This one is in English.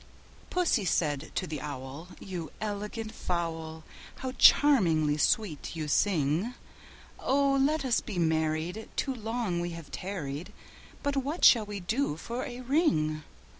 II. Pussy said to the Owl, "You elegant fowl, How charmingly sweet you sing! Oh! let us be married; too long we have tarried: But what shall we do for a ring?"